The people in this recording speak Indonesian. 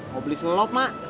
mau beli selop mak